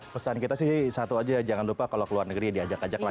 pesan kita sih satu aja jangan lupa kalau ke luar negeri diajak ajaklah